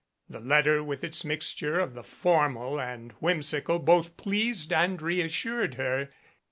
The letter with its mixture of the formal and whimsical both pleased and reassured her.